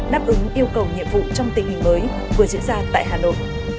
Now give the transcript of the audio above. đáp ứng yêu cầu nhiệm vụ trong tình hình mới vừa diễn ra tại hà nội